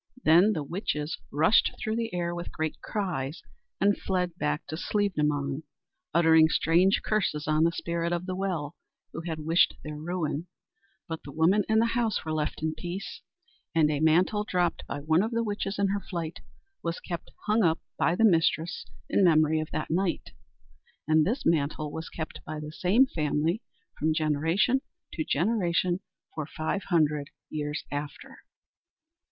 Then the witches rushed through the air with great cries, and fled back to Slievenamon, uttering strange curses on the Spirit of the Well, who had wished their ruin; but the woman and the house were left in peace, and a mantle dropped by one of the witches in her flight was kept hung up by the mistress in memory of that night; and this mantle was kept by the same family from generation to generation for five hundred years after.